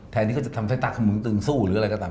แทนที่เขาจะทำสายตักเขามึงตึงสู้หรืออะไรก็ตาม